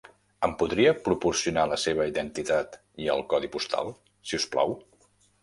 Em podria proporcionar la seva identitat i el codi postal, si us plau?